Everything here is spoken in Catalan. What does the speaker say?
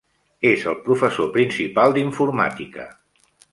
És el professor principal d'informàtica.